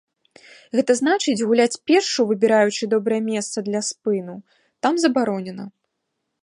Гэта значыць, гуляць пешшу, выбіраючы добрае месца для спыну, там забаронена.